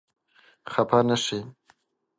خپه نه شې؟